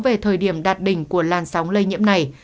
về thời điểm đạt đỉnh của làn sóng lây nhiễm này